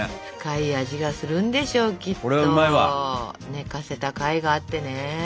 寝かせたかいがあってね。